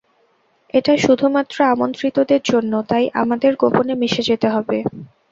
এটা শুধুমাত্র আমন্ত্রিতদের জন্য, তাই আমাদের গোপনে মিশে যেতে হবে।